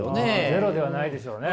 ゼロではないでしょうね。